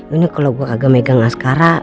ini kalau gue kagak megang naskara